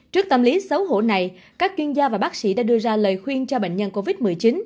trước tâm lý xấu hổ này các chuyên gia và bác sĩ đã đưa ra lời khuyên cho bệnh nhân covid một mươi chín